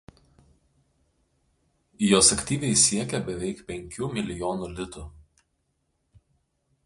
jos aktyvai siekia beveik penkių milijonų litų